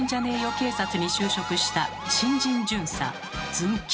警察」に就職した新人巡査ズン吉。